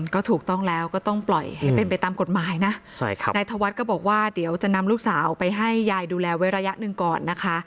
ก็ถูกต้องแล้วก็ต้องปล่อยให้เป็นไปตามกฎหมายนะนายธวัฒน์ก็บอกว่าเดี๋ยวจะนำลูกสาวไปให้ยายดูแลไว้ระยะหนึ่งก่อนนะคะ